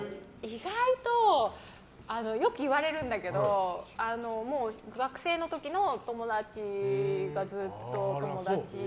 意外とよく言われるんだけどもう、学生の時の友達がずっと友達。